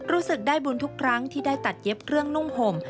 รู้สึกได้บุญทุกครั้งที่ได้ตัดเย็บเครื่องนุ่มห่ม